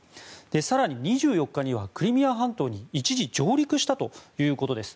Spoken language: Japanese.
更に２４日にはクリミア半島に一時上陸したということです。